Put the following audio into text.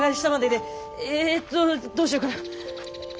えとどうしようかな。